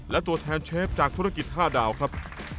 และตัวแทนเชฟจากธุรกิจ๕ดาวครับ